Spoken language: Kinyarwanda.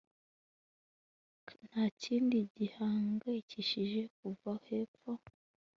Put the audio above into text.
ntakindi gihangayikishije kuva hepfo